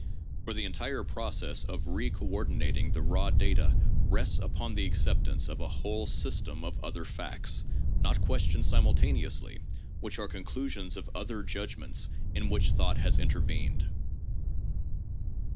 For the entire process of re coordinating the raw data rests upon the acceptance of a whole system of other facts, not questioned simultaneously, which are conclusions of other judgments in which thought has intervened.